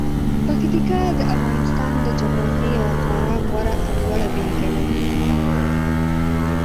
پکتیکا د افغانستان د جغرافیې یوه خورا غوره او لوړه بېلګه ده.